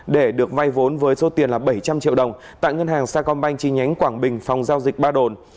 để được vay vốn với số tiền là bảy trăm linh triệu đồng tại ngân hàng sacombank chi nhánh quảng bình phòng giao dịch ba đồn